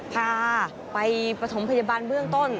พาไปปฐมพยาบาลเบื้องต้น